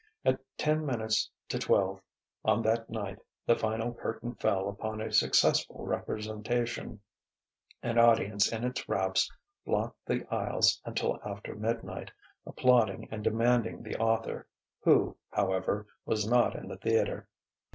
At ten minutes to twelve on that night the final curtain fell upon a successful representation; an audience in its wraps blocked the aisles until after midnight, applauding and demanding the author; who, however, was not in the theatre.